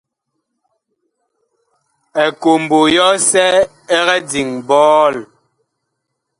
Ekombo yɔsɛ ɛg diŋ ɓɔɔl.